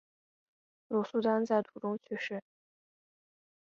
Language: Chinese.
鲁速丹在途中逝世。